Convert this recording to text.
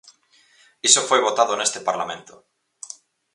¡Iso foi votado neste parlamento!